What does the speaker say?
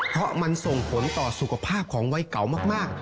เพราะมันส่งผลต่อสุขภาพของวัยเก่ามาก